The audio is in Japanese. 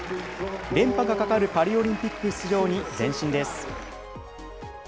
連覇がかかるパリオリンピック出場に前進です。